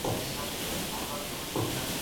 ټولنه هغه وخت پرمختګ کوي چي وګړي يې مطالعه ولري.